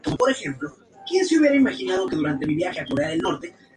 Y con la energía justa para permitir la práctica de deportes náuticos.